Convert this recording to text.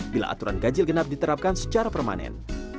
bila aturan ganjil genap diterapkan secara permanen